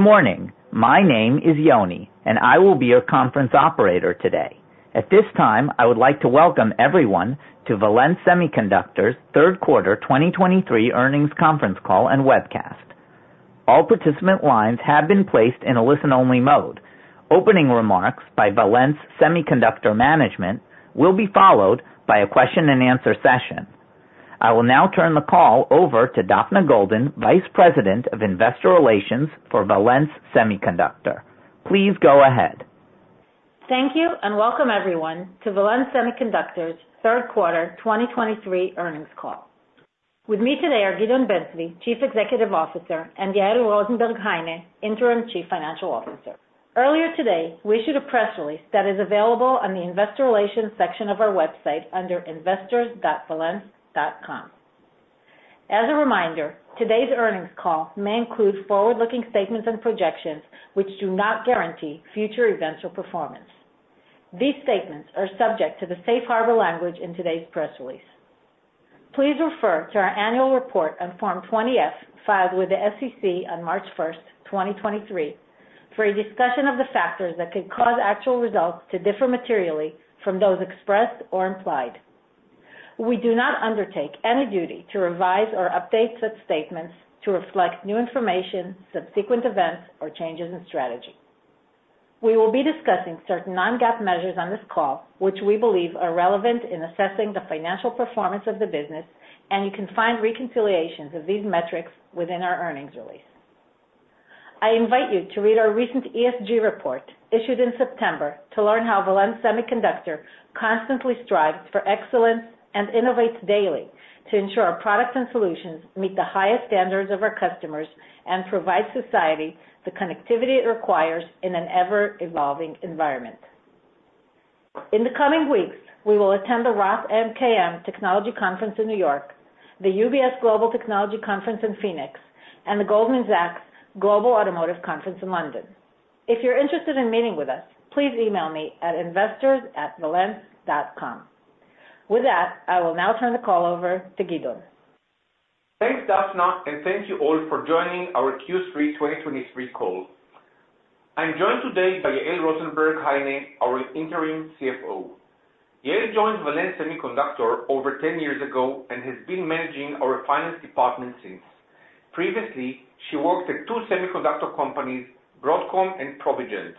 Good morning. My name is Yoni, and I will be your conference operator today. At this time, I would like to welcome everyone to Valens Semiconductor's Third Quarter 2023 Earnings Conference Call and Webcast. All participant lines have been placed in a listen-only mode. Opening remarks by Valens Semiconductor Management will be followed by a question-and-answer session. I will now turn the call over to Daphna Golden, Vice President of Investor Relations for Valens Semiconductor. Please go ahead. Thank you, and welcome everyone to Valens Semiconductor's third quarter 2023 earnings call. With me today are Gideon Ben-Zvi, Chief Executive Officer, and Yael Rozenberg Haine, Interim Chief Financial Officer. Earlier today, we issued a press release that is available on the Investor Relations section of our website under investors.valens.com. As a reminder, today's earnings call may include forward-looking statements and projections, which do not guarantee future events or performance. These statements are subject to the safe harbor language in today's press release. Please refer to our annual report on Form 20-F, filed with the SEC on March 1, 2023, for a discussion of the factors that could cause actual results to differ materially from those expressed or implied. We do not undertake any duty to revise or update such statements to reflect new information, subsequent events, or changes in strategy. We will be discussing certain non-GAAP measures on this call, which we believe are relevant in assessing the financial performance of the business, and you can find reconciliations of these metrics within our earnings release. I invite you to read our recent ESG report, issued in September, to learn how Valens Semiconductor constantly strives for excellence and innovates daily to ensure our products and solutions meet the highest standards of our customers and provide society the connectivity it requires in an ever-evolving environment. In the coming weeks, we will attend the Roth MKM Technology Conference in New York, the UBS Global Technology Conference in Phoenix, and the Goldman Sachs Global Automotive Conference in London. If you're interested in meeting with us, please email me at investors@valens.com. With that, I will now turn the call over to Gideon. Thanks, Daphna, and thank you all for joining our Q3 2023 call. I'm joined today by Yael Rozenberg Haine, our Interim CFO. Yael joined Valens Semiconductor over 10 years ago and has been managing our finance department since. Previously, she worked at two semiconductor companies, Broadcom and Provigent.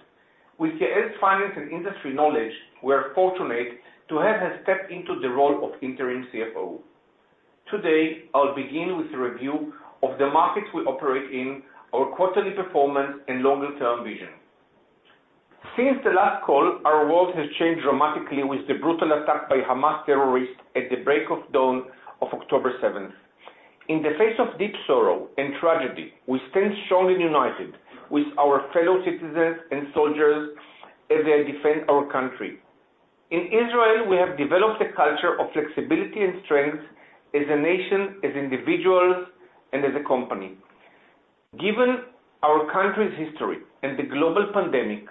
With Yael's finance and industry knowledge, we are fortunate to have her step into the role of interim CFO. Today, I'll begin with a review of the markets we operate in, our quarterly performance, and longer-term vision. Since the last call, our world has changed dramatically with the brutal attack by Hamas terrorists at the break of dawn of October 7th. In the face of deep sorrow and tragedy, we stand strongly united with our fellow citizens and soldiers as they defend our country. In Israel, we have developed a culture of flexibility and strength as a nation, as individuals, and as a company. Given our country's history and the global pandemic,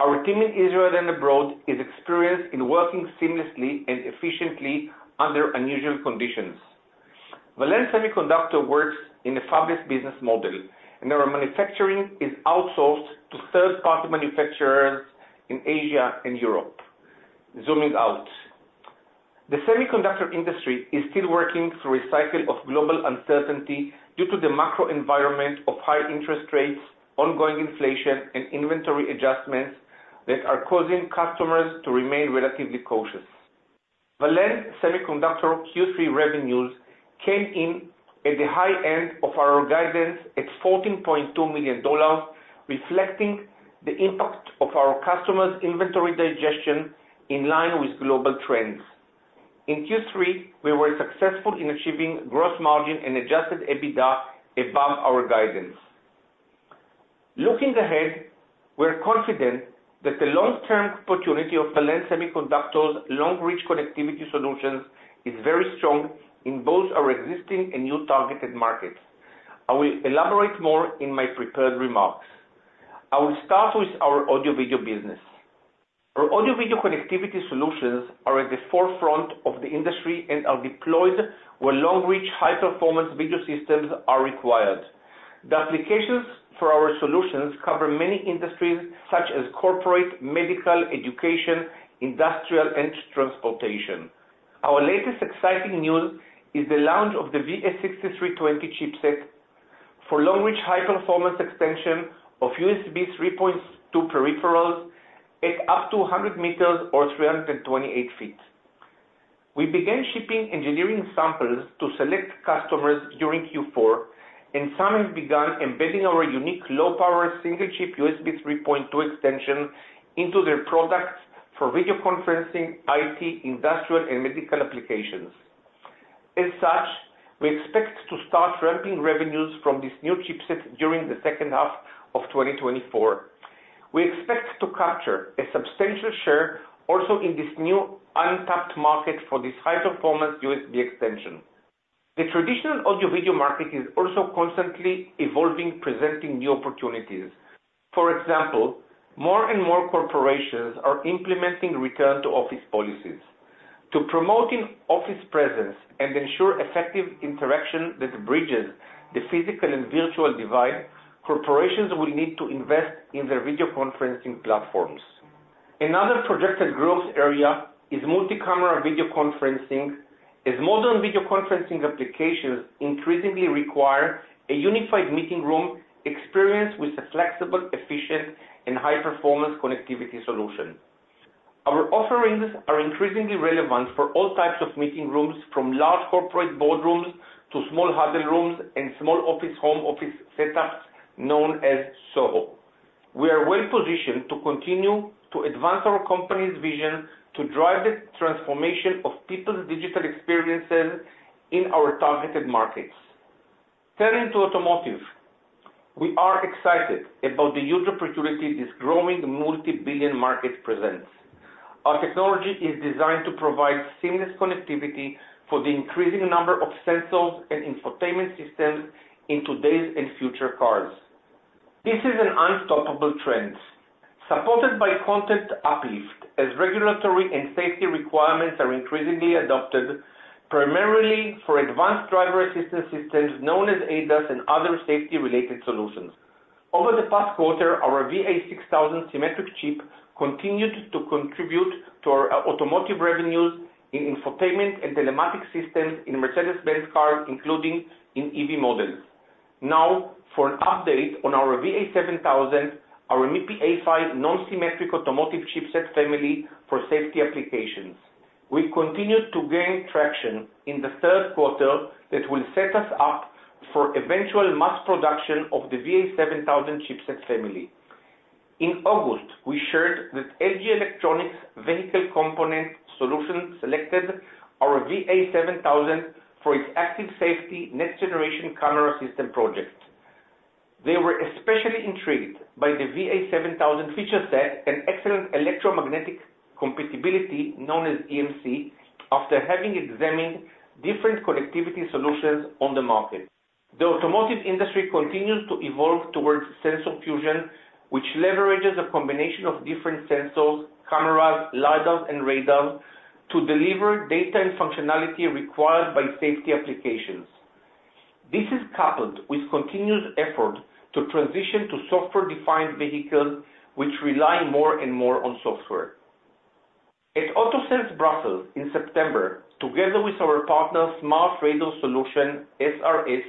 our team in Israel and abroad is experienced in working seamlessly and efficiently under unusual conditions. Valens Semiconductor works in a fabless business model, and our manufacturing is outsourced to third-party manufacturers in Asia and Europe. Zooming out. The semiconductor industry is still working through a cycle of global uncertainty due to the macro environment of high interest rates, ongoing inflation, and inventory adjustments that are causing customers to remain relatively cautious. Valens Semiconductor Q3 revenues came in at the high end of our guidance at $14.2 million, reflecting the impact of our customers' inventory digestion in line with global trends. In Q3, we were successful in achieving gross margin and Adjusted EBITDA above our guidance. Looking ahead, we're confident that the long-term opportunity of Valens Semiconductor's long-reach connectivity solutions is very strong in both our existing and new targeted markets. I will elaborate more in my prepared remarks. I will start with our audio video business. Our audio video connectivity solutions are at the forefront of the industry and are deployed where long-reach, high-performance video systems are required. The applications for our solutions cover many industries such as corporate, medical, education, industrial, and transportation. Our latest exciting news is the launch of the VS6320 chipset for long-reach, high-performance extension of USB 3.2 peripherals at up to 100 meters or 328 feet. We began shipping engineering samples to select customers during Q4, and some have begun embedding our unique low-power, single-chip USB 3.2 extension into their products for video conferencing, IT, industrial, and medical applications. As such, we expect to start ramping revenues from this new chipset during the second half of 2024. We expect to capture a substantial share also in this new untapped market for this high-performance USB extension. The traditional audio video market is also constantly evolving, presenting new opportunities. For example, more and more corporations are implementing return-to-office policies. To promoting office presence and ensure effective interaction that bridges the physical and virtual divide, corporations will need to invest in their video conferencing platforms. Another projected growth area is multi-camera video conferencing, as modern video conferencing applications increasingly require a unified meeting room experience with a flexible, efficient, and high-performance connectivity solution. Our offerings are increasingly relevant for all types of meeting rooms, from large corporate boardrooms to small huddle rooms and small office, home office setups, known as SOHO. We are well positioned to continue to advance our company's vision to drive the transformation of people's digital experiences in our targeted markets. Turning to Automotive, we are excited about the huge opportunity this growing multi-billion market presents. Our technology is designed to provide seamless connectivity for the increasing number of sensors and infotainment systems in today's and future cars. This is an unstoppable trend, supported by content uplift, as regulatory and safety requirements are increasingly adopted, primarily for advanced driver assistance systems, known as ADAS, and other safety-related solutions. Over the past quarter, our VA6000 symmetric chip continued to contribute to our Automotive revenues in infotainment and telematics systems in Mercedes-Benz cars, including in EV models. Now, for an update on our VA7000, our MIPI A-PHY non-symmetric Automotive chipset family for safety applications. We continued to gain traction in the third quarter that will set us up for eventual mass production of the VA7000 chipset family. In August, we shared that LG Electronics Vehicle Component Solutions selected our VA7000 for its active safety next generation camera system project. They were especially intrigued by the VA7000 feature set and excellent electromagnetic compatibility, known as EMC, after having examined different connectivity solutions on the market. The Automotive industry continues to evolve towards sensor fusion, which leverages a combination of different sensors, cameras, LiDAR, and radar, to deliver data and functionality required by safety applications. This is coupled with continued effort to transition to software-defined vehicles, which rely more and more on software. At AutoSens Brussels in September, together with our partner, Smart Radar System, SRS,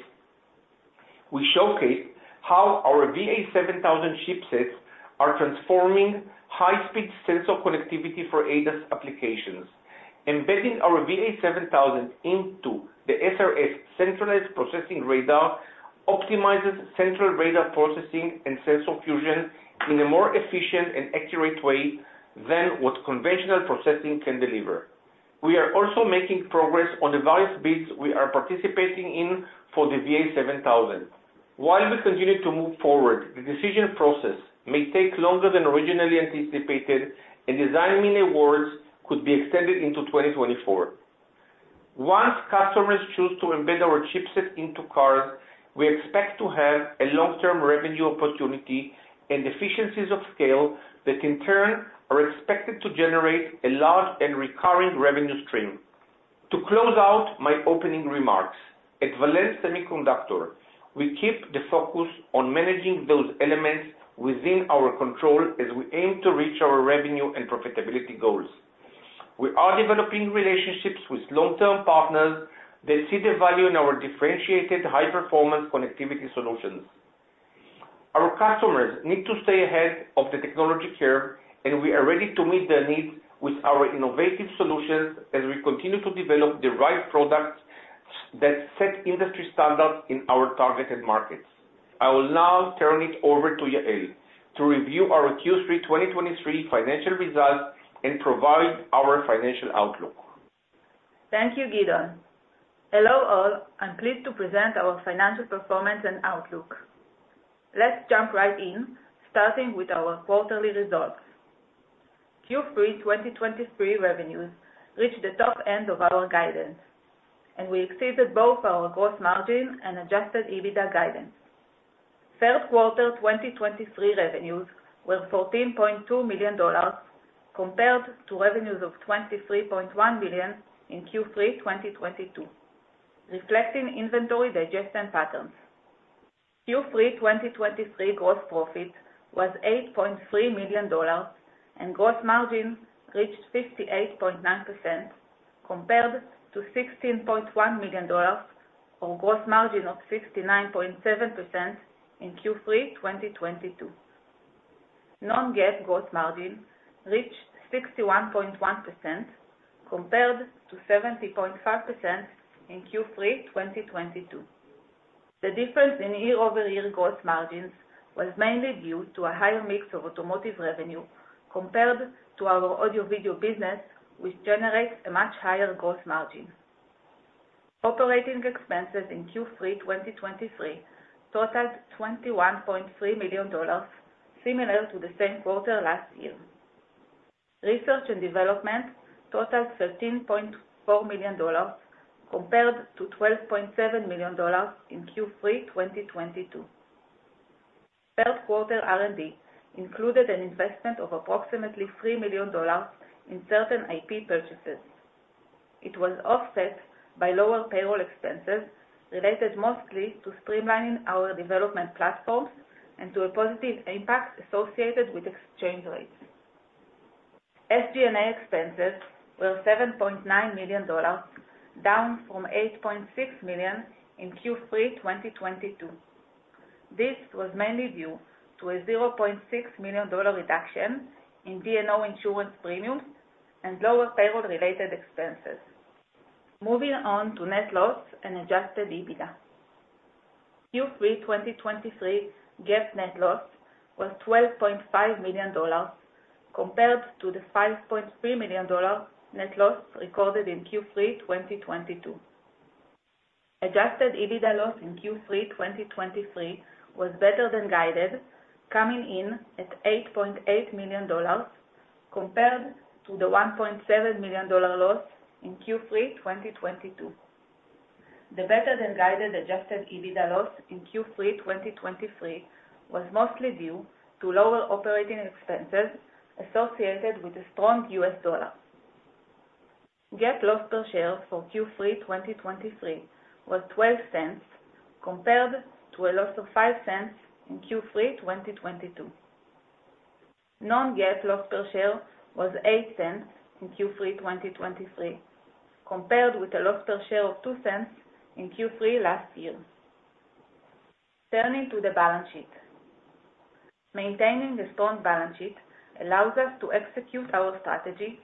we showcased how our VA7000 chipsets are transforming high-speed sensor connectivity for ADAS applications. Embedding our VA7000 into the SRS centralized processing radar optimizes central radar processing and sensor fusion in a more efficient and accurate way than what conventional processing can deliver. We are also making progress on the various bids we are participating in for the VA7000. While we continue to move forward, the decision process may take longer than originally anticipated, and design win awards could be extended into 2024. Once customers choose to embed our chipset into cars, we expect to have a long-term revenue opportunity and efficiencies of scale that in turn are expected to generate a large and recurring revenue stream. To close out my opening remarks, at Valens Semiconductor, we keep the focus on managing those elements within our control as we aim to reach our revenue and profitability goals. We are developing relationships with long-term partners that see the value in our differentiated high-performance connectivity solutions. Our customers need to stay ahead of the technology curve, and we are ready to meet their needs with our innovative solutions as we continue to develop the right products that set industry standards in our targeted markets. I will now turn it over to Yael to review our Q3 2023 financial results and provide our financial outlook. Thank you, Gideon. Hello, all. I'm pleased to present our financial performance and outlook. Let's jump right in, starting with our quarterly results. Q3 2023 revenues reached the top end of our guidance, and we exceeded both our gross margin and Adjusted EBITDA guidance. Third quarter 2023 revenues were $14.2 million, compared to revenues of $23.1 million in Q3 2022, reflecting inventory digestion patterns. Q3 2023 gross profit was $8.3 million, and gross margin reached 58.9%, compared to $16.1 million, or gross margin of 69.7% in Q3 2022. Non-GAAP gross margin reached 61.1%, compared to 70.5% in Q3 2022. The difference in year-over-year gross margins was mainly due to a higher mix of Automotive revenue compared to our audio video business, which generates a much higher gross margin. Operating expenses in Q3 2023 totaled $21.3 million, similar to the same quarter last year. Research and development totaled $13.4 million, compared to $12.7 million in Q3 2022. Third quarter R&D included an investment of approximately $3 million in certain IP purchases. It was offset by lower payroll expenses, related mostly to streamlining our development platforms and to a positive impact associated with exchange rates. SG&A expenses were $7.9 million, down from $8.6 million in Q3 2022. This was mainly due to a $0.6 million reduction in D&O insurance premiums and lower payroll-related expenses. Moving on to net loss and adjusted EBITDA. Q3 2023 GAAP net loss was $12.5 million, compared to the $5.3 million net loss recorded in Q3 2022. Adjusted EBITDA loss in Q3 2023 was better than guided, coming in at $8.8 million, compared to the $1.7 million dollar loss in Q3 2022. The better-than-guided Adjusted EBITDA loss in Q3 2023 was mostly due to lower operating expenses associated with a strong U.S. dollar. GAAP loss per share for Q3 2023 was $0.12, compared to a loss of $0.05 in Q3 2022. Non-GAAP loss per share was $0.08 in Q3 2023, compared with a loss per share of $0.02 in Q3 last year. Turning to the balance sheet. Maintaining a strong balance sheet allows us to execute our strategy,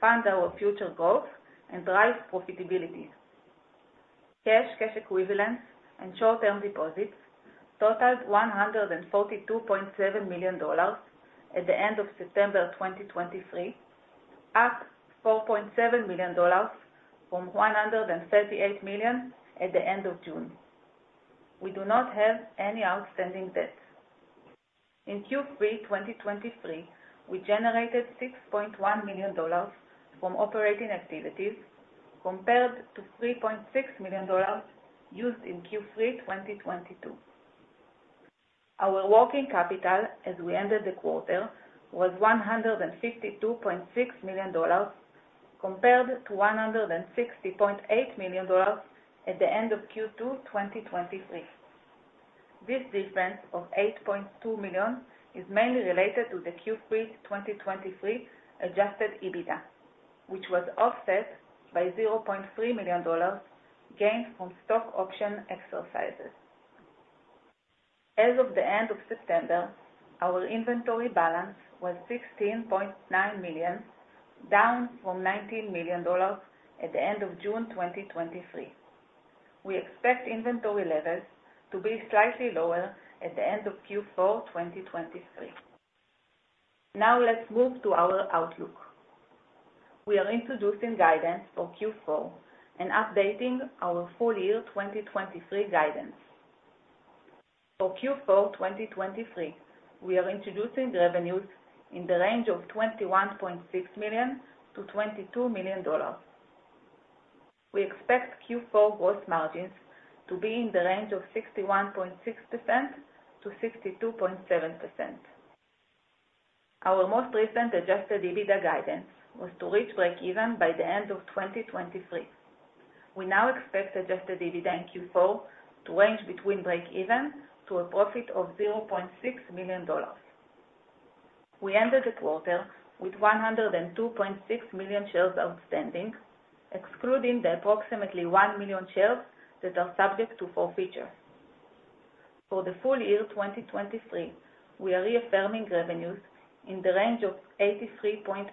fund our future growth, and drive profitability. Cash, cash equivalents, and short-term deposits totaled $142.7 million at the end of September 2023, up $4.7 million from $138 million at the end of June. We do not have any outstanding debt. In Q3 2023, we generated $6.1 million from operating activities, compared to $3.6 million used in Q3 2022. Our working capital, as we ended the quarter, was $152.6 million, compared to $160.8 million at the end of Q2 2023. This difference of $8.2 million is mainly related to the Q3 2023 Adjusted EBITDA, which was offset by $0.3 million gained from stock option exercises. As of the end of September, our inventory balance was $16.9 million, down from $19 million at the end of June 2023. We expect inventory levels to be slightly lower at the end of Q4 2023. Now, let's move to our outlook. We are introducing guidance for Q4 and updating our full-year 2023 guidance. For Q4 2023, we are introducing revenues in the range of $21.6 million-$22 million. We expect Q4 gross margins to be in the range of 61.6%-62.7%. Our most recent Adjusted EBITDA guidance was to reach breakeven by the end of 2023. We now expect Adjusted EBITDA in Q4 to range between breakeven to a profit of $0.6 million. We ended the quarter with 102.6 million shares outstanding, excluding the approximately 1 million shares that are subject to forfeiture. For the full year 2023, we are reaffirming revenues in the range of $83.8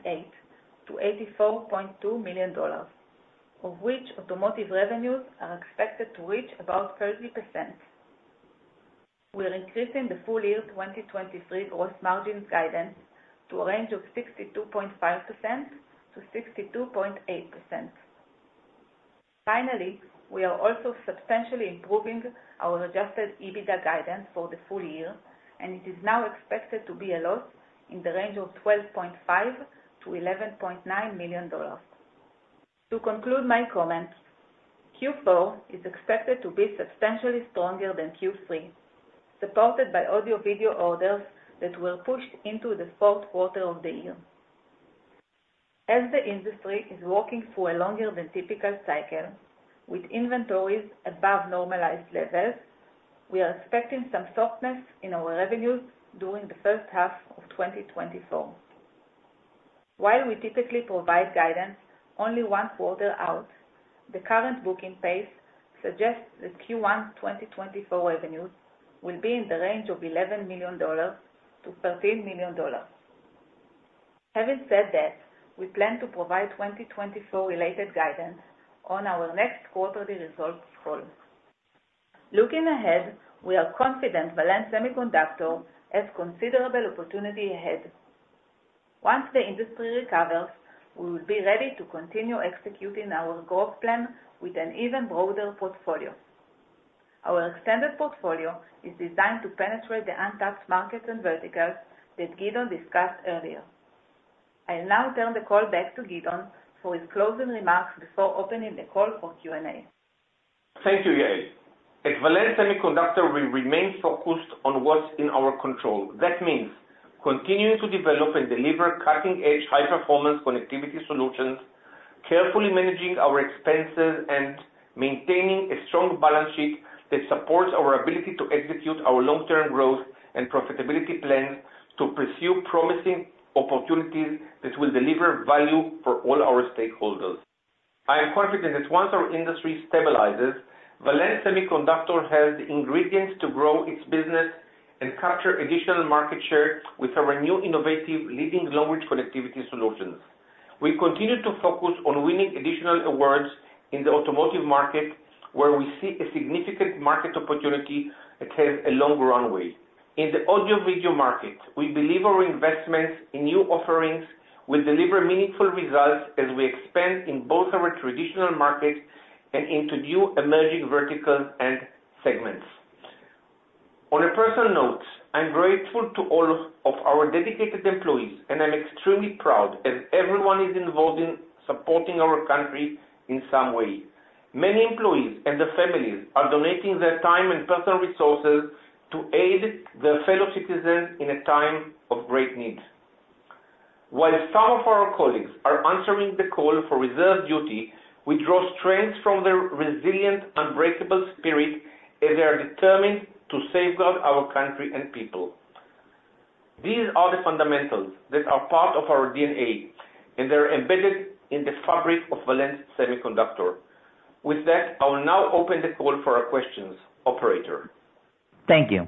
million-$84.2 million, of which Automotive revenues are expected to reach about 30%. We are increasing the full year 2023 gross margin guidance to a range of 62.5%-62.8%. Finally, we are also substantially improving our Adjusted EBITDA guidance for the full year, and it is now expected to be a loss in the range of $12.5 million-$11.9 million. To conclude my comments, Q4 is expected to be substantially stronger than Q3, supported by audio/video orders that were pushed into the fourth quarter of the year. As the industry is working through a longer than typical cycle with inventories above normalized levels, we are expecting some softness in our revenues during the first half of 2024. While we typically provide guidance only one quarter out, the current booking pace suggests that Q1 2024 revenues will be in the range of $11 million-$13 million. Having said that, we plan to provide 2024 related guidance on our next quarterly results call. Looking ahead, we are confident Valens Semiconductor has considerable opportunity ahead. Once the industry recovers, we will be ready to continue executing our growth plan with an even broader portfolio. Our extended portfolio is designed to penetrate the untapped markets and verticals that Gideon discussed earlier. I'll now turn the call back to Gideon for his closing remarks before opening the call for Q&A. Thank you, Yael. At Valens Semiconductor, we remain focused on what's in our control. That means continuing to develop and deliver cutting-edge, high-performance connectivity solutions, carefully managing our expenses, and maintaining a strong balance sheet that supports our ability to execute our long-term growth and profitability plans to pursue promising opportunities that will deliver value for all our stakeholders. I am confident that once our industry stabilizes, Valens Semiconductor has the ingredients to grow its business and capture additional market share with our new, innovative, leading long-range connectivity solutions. We continue to focus on winning additional awards in the Automotive market, where we see a significant market opportunity that has a long runway. In the audio-video market, we believe our investments in new offerings will deliver meaningful results as we expand in both our traditional markets and into new emerging verticals and segments. On a personal note, I'm grateful to all of our dedicated employees, and I'm extremely proud as everyone is involved in supporting our country in some way. Many employees and their families are donating their time and personal resources to aid their fellow citizens in a time of great need. While some of our colleagues are answering the call for reserve duty, we draw strength from their resilient, unbreakable spirit, as they are determined to safeguard our country and people. These are the fundamentals that are part of our DNA, and they're embedded in the fabric of Valens Semiconductor. With that, I will now open the call for our questions. Operator? Thank you.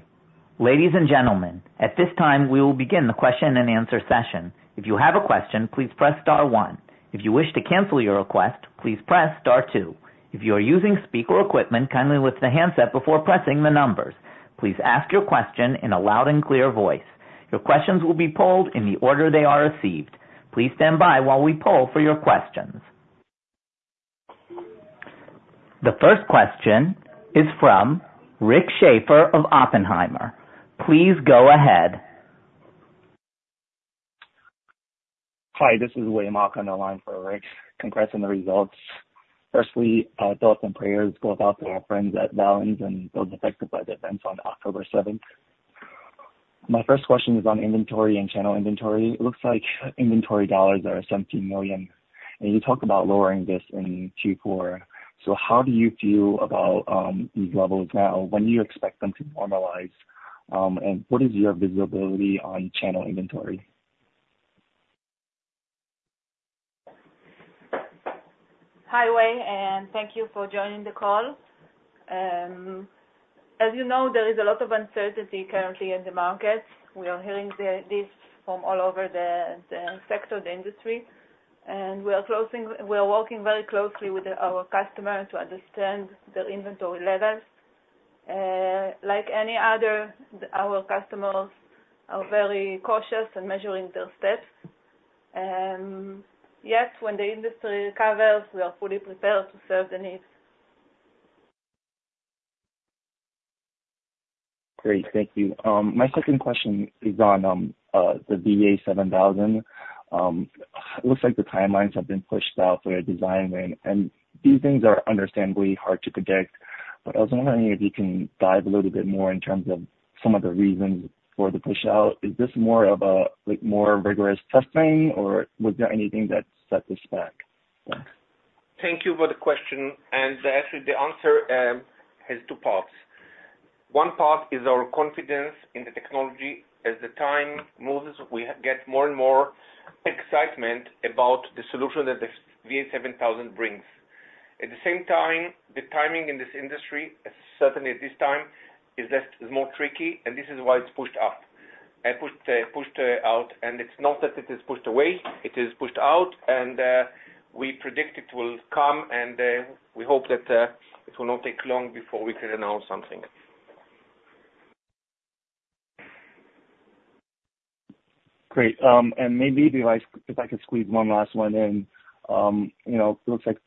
Ladies and gentlemen, at this time, we will begin the question-and-answer session. If you have a question, please press star one. If you wish to cancel your request, please press star two. If you are using speaker equipment, kindly lift the handset before pressing the numbers. Please ask your question in a loud and clear voice. Your questions will be polled in the order they are received. Please stand by while we poll for your questions. The first question is from Rick Schafer of Oppenheimer. Please go ahead. Hi, this is Wei Mok on the line for Rick. Congrats on the results. Firstly, thoughts and prayers go out to our friends at Valens and those affected by the events on October 7th. My first question is on inventory and channel inventory. It looks like inventory dollars are $17 million, and you talked about lowering this in Q4. So how do you feel about these levels now? When do you expect them to normalize, and what is your visibility on channel inventory? Hi, Wei, and thank you for joining the call. As you know, there is a lot of uncertainty currently in the market. We are hearing this from all over the sector, the industry, and we are working very closely with our customers to understand their inventory levels. Like any other, our customers are very cautious in measuring their steps. Yes, when the industry recovers, we are fully prepared to serve the needs. Great. Thank you. My second question is on the VA7000. It looks like the timelines have been pushed out for a design win, and these things are understandably hard to predict, but I was wondering if you can dive a little bit more in terms of some of the reasons for the pushout. Is this more of a, like, more rigorous testing, or was there anything that set this back? Thanks. Thank you for the question, and actually, the answer has two parts. One part is our confidence in the technology. As the time moves, we get more and more excitement about the solution that the VA7000 brings. At the same time, the timing in this industry, certainly at this time, is just more tricky, and this is why it's pushed out. And it's not that it is pushed away, it is pushed out, and we predict it will come, and we hope that it will not take long before we can announce something. Great. Maybe if I could squeeze one last one in. You know, it looks like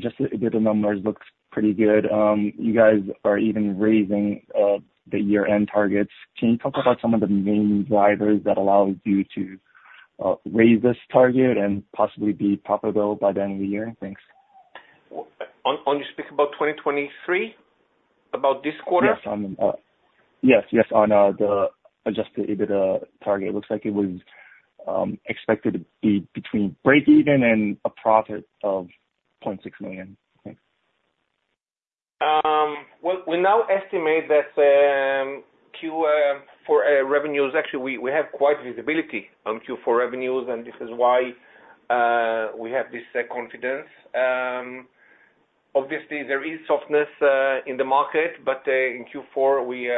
just the EBITDA numbers looks pretty good. You guys are even raising the year-end targets. Can you talk about some of the main drivers that allows you to raise this target and possibly be profitable by the end of the year? Thanks. You speak about 2023? About this quarter? Yes, on the Adjusted EBITDA target. It looks like it was expected to be between breakeven and a profit of $0.6 million. Thanks. Well, we now estimate that Q4 revenues. Actually, we, we have quite visibility on Q4 revenues, and this is why we have this confidence. Obviously, there is softness in the market, but in Q4 we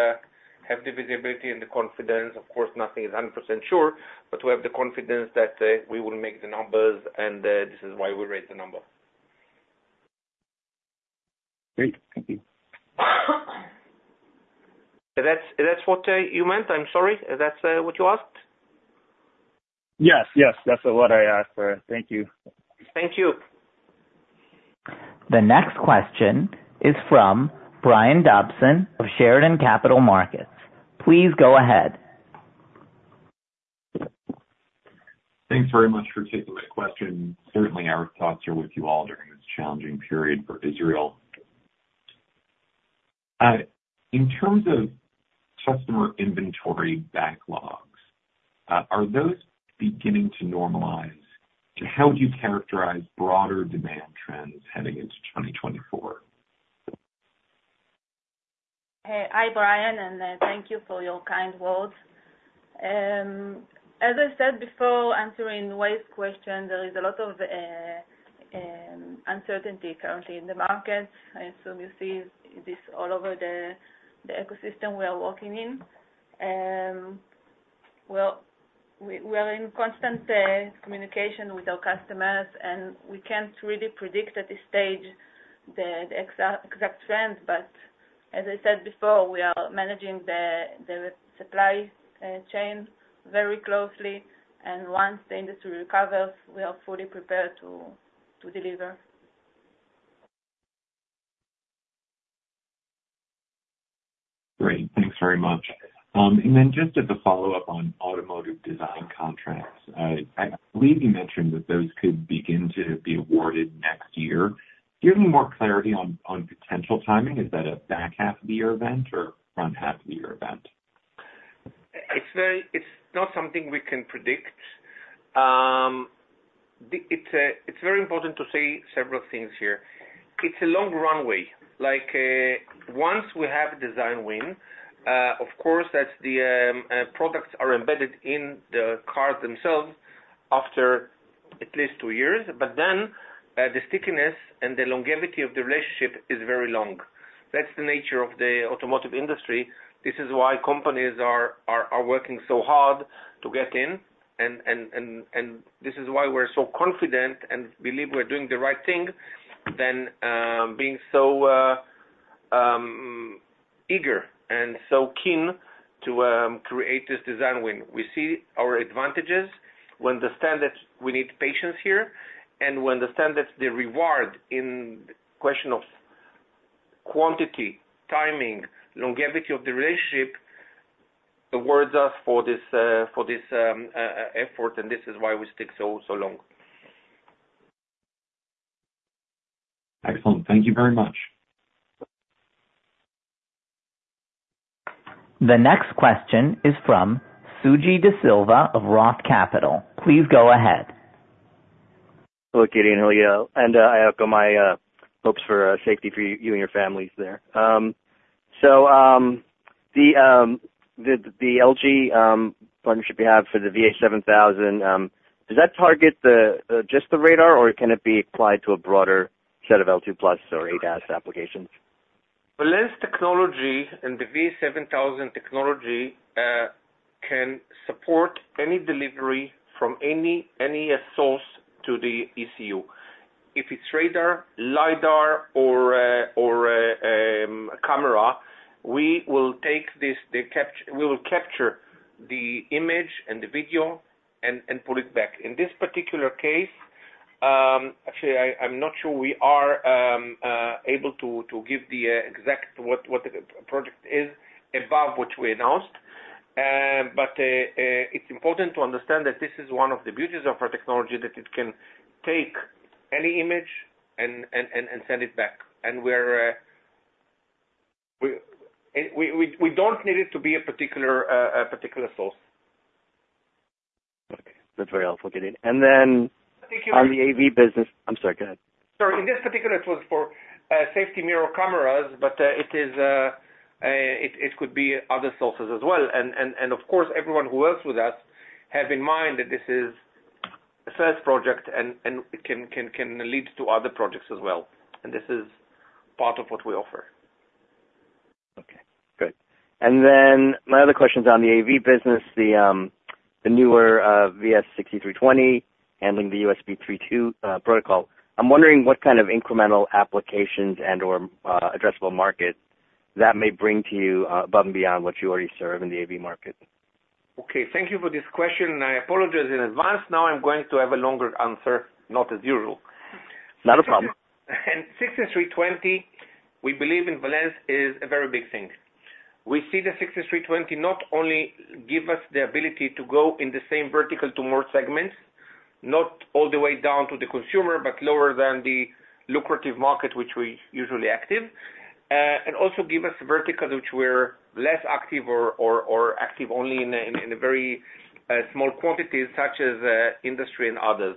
have the visibility and the confidence. Of course, nothing is 100% sure, but we have the confidence that we will make the numbers, and this is why we raised the number. Great. Thank you. Is that, is that what you meant? I'm sorry. Is that what you asked? Yes. Yes, that's what I asked for. Thank you. Thank you. The next question is from Brian Dobson of Chardan Capital Markets. Please go ahead. Thanks very much for taking my question. Certainly, our thoughts are with you all during this challenging period for Israel. In terms of customer inventory backlogs, are those beginning to normalize? How would you characterize broader demand trends heading into 2024? Hey, hi, Brian, and thank you for your kind words. As I said before, answering Wei's question, there is a lot of uncertainty currently in the market. I assume you see this all over the ecosystem we are working in. Well, we are in constant communication with our customers, and we can't really predict at this stage the exact trends. But as I said before, we are managing the supply chain very closely, and once the industry recovers, we are fully prepared to deliver. Great. Thanks very much. And then just as a follow-up on Automotive design contracts, I believe you mentioned that those could begin to be awarded next year. Do you have any more clarity on potential timing? Is that a back half of the year event or front half of the year event? It's not something we can predict. It's very important to say several things here. It's a long runway. Like, once we have a design win, of course, products are embedded in the cars themselves after at least two years. But then, the stickiness and the longevity of the relationship is very long. That's the nature of the Automotive industry. This is why companies are working so hard to get in, and this is why we're so confident and believe we're doing the right thing, then, being so eager and so keen to create this design win. We see our advantages, we understand that we need patience here, and we understand that the reward in question of quantity, timing, longevity of the relationship, rewards us for this effort, and this is why we stick so, so long. Excellent. Thank you very much. The next question is from Suji Desilva of Roth Capital. Please go ahead. Hello, Gideon and Yael, and I echo my hopes for safety for you and your families there. So, the LG partnership you have for the VA7000, does that target just the radar, or can it be applied to a broader set of L2 plus or ADAS applications? Valens technology and the VA7000 technology can support any delivery from any source to the ECU. If it's radar, lidar or camera, we will capture the image and the video and pull it back. In this particular case, actually, I'm not sure we are able to give the exact what the project is above what we announced. But it's important to understand that this is one of the beauties of our technology, that it can take any image and send it back. And we're, we don't need it to be a particular source. Okay, that's very helpful, Gideon. And then on the AV business... I'm sorry, go ahead. Sorry. In this particular, it was for safety mirror cameras, but it is, it could be other sources as well. And of course, everyone who works with us have in mind that this is a first project and it can lead to other projects as well, and this is part of what we offer. Okay, great. And then my other question is on the AV business, the newer VS6320, handling the USB 3.2 protocol. I'm wondering what kind of incremental applications and/or addressable market that may bring to you above and beyond what you already serve in the AV market. Okay, thank you for this question, and I apologize in advance. Now I'm going to have a longer answer, not as usual. Not a problem. VS6320, we believe in Valens, is a very big thing. We see the VS6320 not only give us the ability to go in the same vertical to more segments, not all the way down to the consumer, but lower than the lucrative market, which we usually active. And also give us verticals which we're less active or active only in a very small quantities, such as industry and others.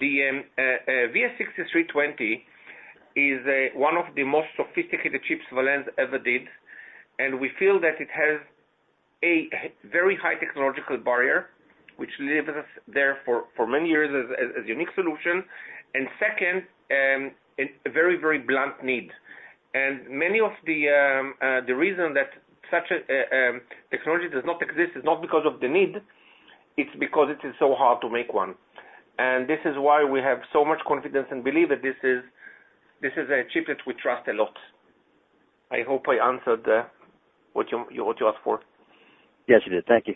The VS6320 is one of the most sophisticated chips Valens ever did, and we feel that it has a very high technological barrier, which leaves us there for many years as a unique solution, and second, a very, very blunt need. And many of the reason that such a technology does not exist is not because of the need, it's because it is so hard to make one. And this is why we have so much confidence and believe that this is a chip that we trust a lot. I hope I answered what you asked for. Yes, you did. Thank you.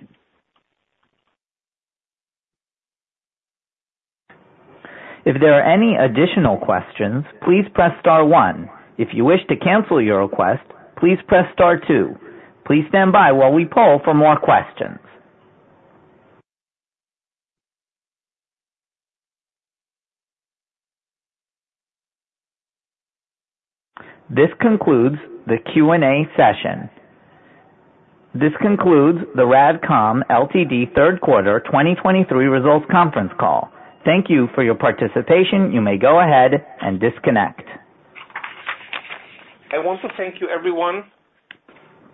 If there are any additional questions, please press star one. If you wish to cancel your request, please press star two. Please stand by while we poll for more questions. This concludes the Q&A session. This concludes the Valens Semiconductor third quarter 2023 results conference call. Thank you for your participation. You may go ahead and disconnect. I want to thank you, everyone.